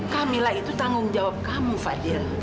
kamilah itu tanggung jawab kamu fadil